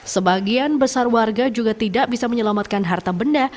sebagian besar warga juga tidak bisa menyelamatkan harta benda